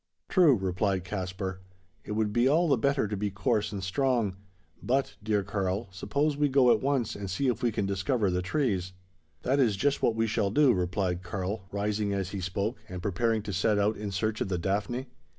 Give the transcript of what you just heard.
"True," replied Caspar. "It would be all the better to be coarse and strong. But, dear Karl, suppose we go at once, and see if we can discover the trees." "That is just what we shall do," replied Karl, rising as he spoke, and preparing to set out in search of the daphne.